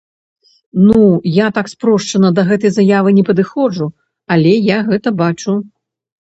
Ну, я так спрошчана да гэтай заявы не падыходжу, але я гэта бачу.